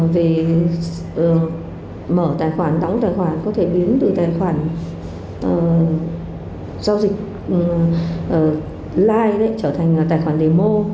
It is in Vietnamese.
về mở tài khoản đóng tài khoản có thể biến từ tài khoản giao dịch live trở thành tài khoản demo